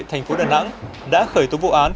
thành phố đà nẵng đã khởi tố vụ án